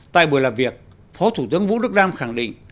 tại buổi làm việc phó thủ tướng vũ đức đam khẳng định